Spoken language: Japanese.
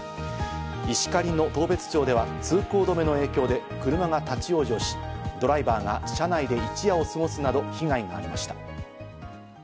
石狩の当別町では通行止めの影響で車が立ち往生し、ドライバーが車内で一夜を過ごすなど被害がありました。